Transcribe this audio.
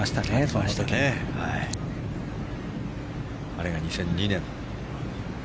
あれが２００２年。